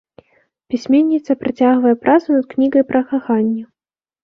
Пісьменніца працягвае працу над кнігай пра каханне.